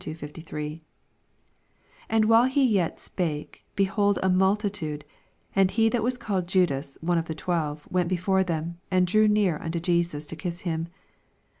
47 And while he yet spake, behold a multitude, and he thut was called Judas, one of the twelve, went before them, and drew near unto Jesus to his right ear.